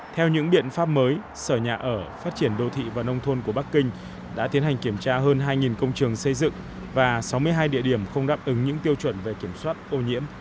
theo những biện pháp mới sở nhà ở phát triển đô thị và nông thôn của bắc kinh đã tiến hành kiểm tra hơn hai công trường xây dựng và sáu mươi hai địa điểm không đáp ứng những tiêu chuẩn về kiểm soát ô nhiễm